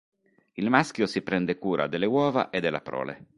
Il maschio si prende cura delle uova e della prole.